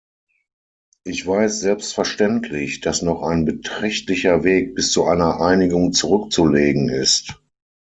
Ich weiß selbstverständlich, dass noch ein beträchtlicher Weg bis zu einer Einigung zurückzulegen ist.